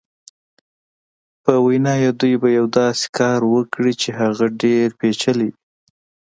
په وینا یې دوی به یو داسې کار وکړي چې هغه ډېر پېچلی وي.